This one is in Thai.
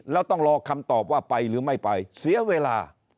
แล้วต้องรอคำตอบว่าไปหรือไม่ไปเสียเวลา